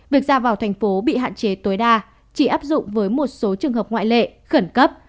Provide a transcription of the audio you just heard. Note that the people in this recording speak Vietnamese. việc ra vào thành phố bị hạn chế tối đa chỉ áp dụng với một số trường hợp ngoại lệ khẩn cấp